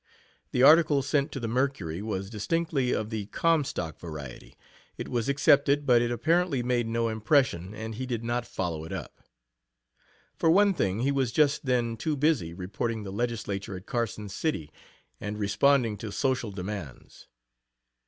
The article, sent to the Mercury, was distinctly of the Comstock variety; it was accepted, but it apparently made no impression, and he did not follow it up. For one thing, he was just then too busy reporting the Legislature at Carson City and responding to social demands.